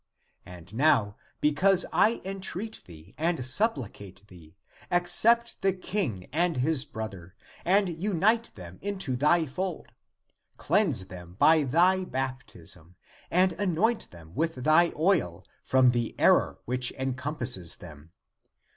And now, be cause I entreat thee and supplicate thee, accept the King and his brother, and unite them into thy fold, cleanse them by thy baptism, and anoint them with thy oil from the error which encompasses them.